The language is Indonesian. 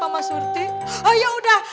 sama surti oh ya udah